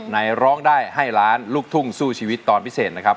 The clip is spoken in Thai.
ร้องได้ให้ล้านลูกทุ่งสู้ชีวิตตอนพิเศษนะครับ